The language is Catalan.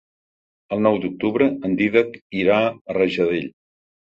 El nou d'octubre en Dídac irà a Rajadell.